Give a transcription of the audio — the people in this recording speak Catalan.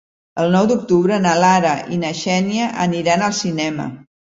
El nou d'octubre na Lara i na Xènia aniran al cinema.